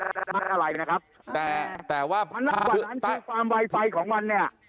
เรายังไม่ได้อะไรนะครับแต่แต่ว่าคือความวัยไฟของมันเนี้ย